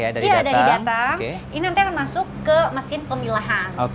iya dari datang ini nanti akan masuk ke mesin pemilahan